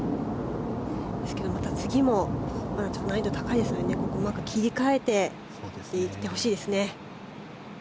また次も難易度が高いですのでここをうまく切り替えて行ってほしいですね。